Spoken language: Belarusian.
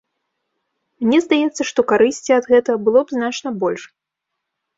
Мне здаецца, што карысці ад гэтага было б значна больш.